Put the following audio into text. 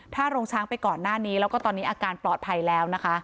ถ้าโรงช้างไปก่อนหน้านี้แล้วก็ตอนนี้อาการปลอดภัยแล้วนะคะ